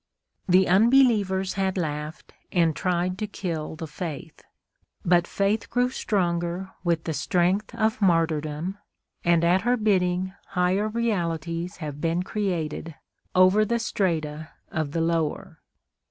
The unbelievers had laughed and tried to kill the faith. But faith grew stronger with the strength of martyrdom and at her bidding higher realities have been created over the strata of the lower.